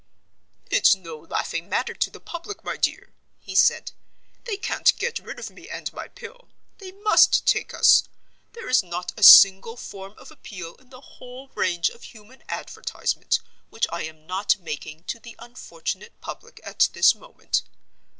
"It's no laughing matter to the public, my dear," he said. "They can't get rid of me and my Pill; they must take us. There is not a single form of appeal in the whole range of human advertisement which I am not making to the unfortunate public at this moment.